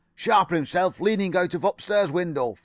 Sharper himself leaning out of upstairs window.